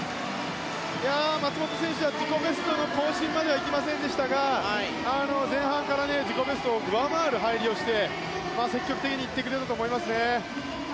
松元選手は自己ベストの更新まではいきませんでしたが前半から自己ベストを上回る入りをして積極的に行ってくれたと思いますね。